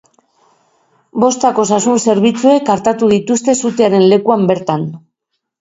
Bostak osasun zerbitzuek artatu dituzte sutearen lekuan bertan.